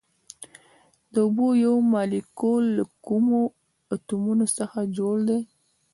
د اوبو یو مالیکول له کومو اتومونو څخه جوړ دی